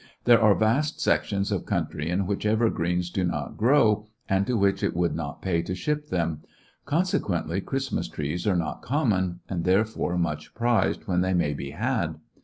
There are vast sections of country in which evergreens do not grow and to which it would not pay to ship them ; con sequently Christmas trees are not common, and therefore much prized when they may be had.